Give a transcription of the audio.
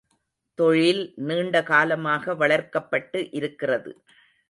தொழில் நீண்டகாலமாக வளர்க்கப்பட்டு இருக்கிறது.